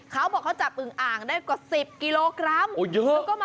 เขาบอกเขาจับอึงอ่างได้กว่า๑๐กิโลกรัม